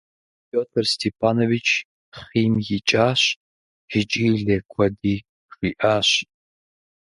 Петр Степанович был в бешенстве и наговорил лишнего.